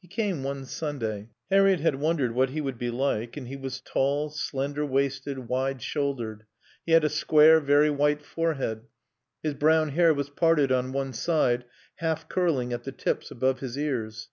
He came one Sunday. Harriett had wondered what he would be like, and he was tall, slender waisted, wide shouldered; he had a square, very white forehead; his brown hair was parted on one side, half curling at the tips above his ears.